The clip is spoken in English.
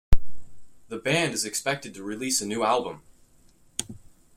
The band is expected to release a new album.